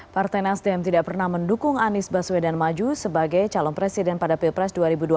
partai nasdem tidak pernah mendukung anies baswedan maju sebagai calon presiden pada pilpres dua ribu dua puluh